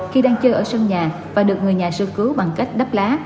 khi đang chơi ở sân nhà và được người nhà sơ cứu bằng cách đắp lá